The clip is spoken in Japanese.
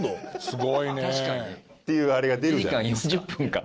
すごいね！っていうあれが出るじゃないですか。